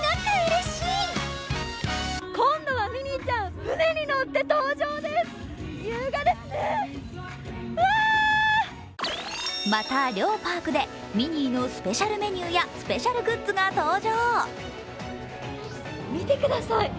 そしてまた、両パークでミニーのスペシャルメニューやスペシャルグッズが登場。